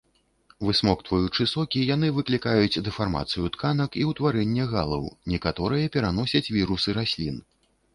Высмоктваючы сокі, яны выклікаюць дэфармацыю тканак і ўтварэнне галаў, некаторыя пераносяць вірусы раслін.